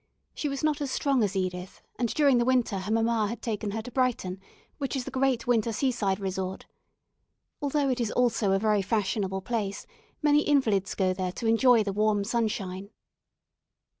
She was not as strong as Edith, and during the winter her mamma had taken her to Brighton, which is the great winter seaside resort. Although it is also a very fashionable place, many invalids go there to enjoy the warm sunshine.